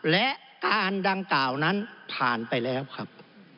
และการดังกล่าวนั้นผ่านไปแล้วครับ